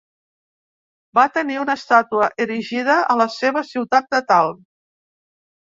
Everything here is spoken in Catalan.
Va tenir una estàtua erigida a la seva ciutat natal.